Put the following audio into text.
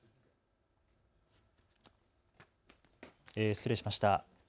失礼しました。